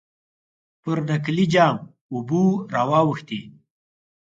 پر نکلي جام اوبه را واوښتې.